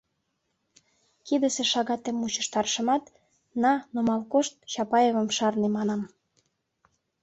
Кидысе шагатем мучыштарышымат, «На, нумал кошт, Чапаевым шарне», — манам.